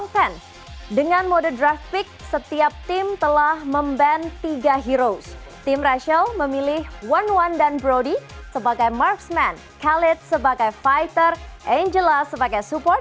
karena permintaan dari momocan udah bakal dikabulkan oleh asus